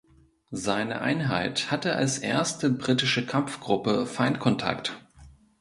Seine Einheit hatte als erste Britische Kampfgruppe Feindkontakt.